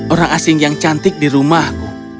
orang asing yang cantik di rumahku